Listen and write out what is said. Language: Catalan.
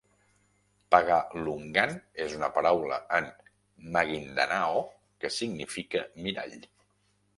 "Pagalungan" és una paraula en maguindanao que significa mirall.